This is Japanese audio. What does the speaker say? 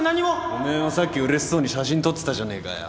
おめえもさっきうれしそうに写真撮ってたじゃねえかよ。